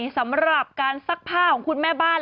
สำหรับการซักผ้าของคุณแม่บ้าน